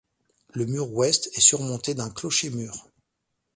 Le mur ouest est surmonté d'un clocher-mur.